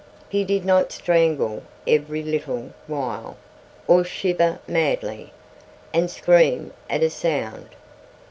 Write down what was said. He did not strangle every little while, or shiver madly, and scream at a sound.